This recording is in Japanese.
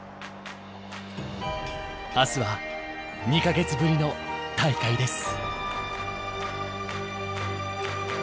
明日は２カ月ぶりの大会です。